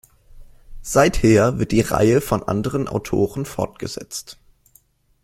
Seither wird die Reihe von anderen Autoren fortgesetzt.